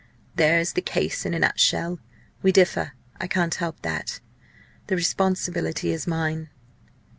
There is the case in a nutshell. We differ I can't help that. The responsibility is mine."